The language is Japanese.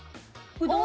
うどん。